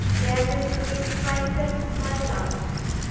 Their misery strengthened my love.